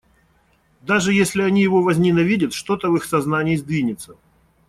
Даже если они его возненавидят, что-то в их сознании сдвинется.